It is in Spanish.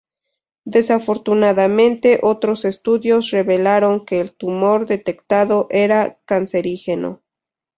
Desafortunadamente, otros estudios revelaron que el tumor detectado era cancerígeno.